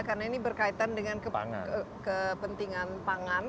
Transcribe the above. karena ini berkaitan dengan kepentingan pangan